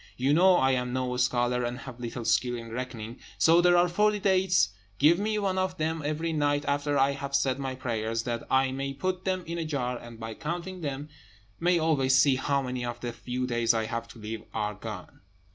You know I am no scholar, and have little skill in reckoning; so there are forty dates: give me one of them every night after I have said my prayers, that I may put them in a jar, and, by counting them may always see how many of the few days I have to live are gone."